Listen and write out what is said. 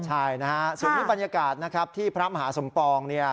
ใช่ส่วนนี้บรรยากาศที่พระมหาสมปอง